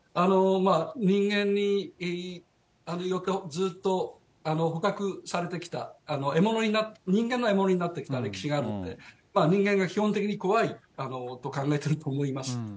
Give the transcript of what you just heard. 人間にずっと捕獲されてきた、人間の獲物になってきた歴史があるので、人間が基本的に怖いと考えていると思います。